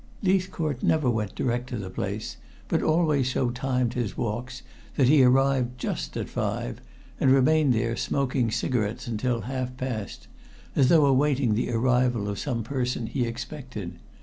Leithcourt never went direct to the place, but always so timed his walks that he arrived just at five, and remained there smoking cigarettes until half past, as though awaiting the arrival of some person he expected.